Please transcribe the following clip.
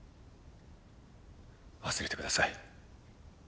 忘れてください。